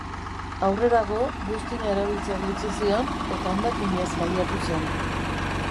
Aurrerago, buztina erabiltzeari utzi zion, eta hondakinez baliatu zen.